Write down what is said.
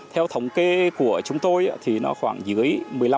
theo thống kê của chúng tôi khoảng dưới một mươi năm